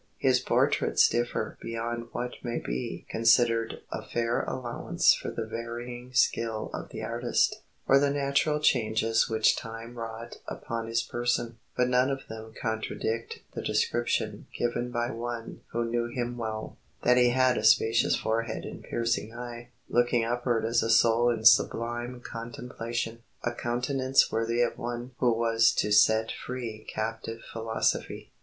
His portraits differ beyond what may be considered a fair allowance for the varying skill of the artist, or the natural changes which time wrought upon his person; but none of them contradict the description given by one who knew him well, 'That he had a spacious forehead and piercing eye, looking upward as a soul in sublime contemplation, a countenance worthy of one who was to set free captive philosophy.